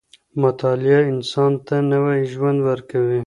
مطالعه انسان ته نوی ژوند ورکوي.